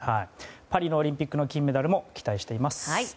パリのオリンピックの金メダルも期待しています。